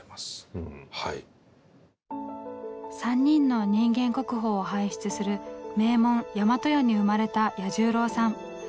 ３人の人間国宝を輩出する名門大和屋に生まれた彌十郎さん。